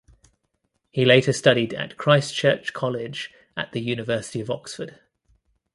He later studied at Christ Church College at the University of Oxford.